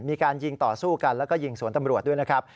มีการยิงต่อสู้กันแล้วก็ยิงสวนตำรวจด้วยนะครับ